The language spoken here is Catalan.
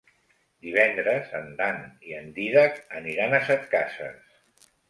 Divendres en Dan i en Dídac aniran a Setcases.